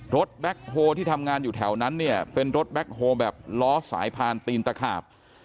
แบ็คโฮที่ทำงานอยู่แถวนั้นเนี่ยเป็นรถแบ็คโฮแบบล้อสายพานตีนตะขาบ